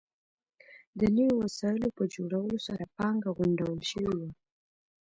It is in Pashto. د نویو وسایلو په جوړولو سره پانګه غونډول شوې وه.